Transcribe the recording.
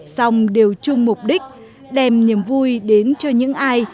xong đều chung mục đích đem niềm vui đến cho những ai